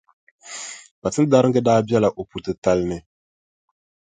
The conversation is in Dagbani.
Kpatindariga daa bela o puʼ titali ni.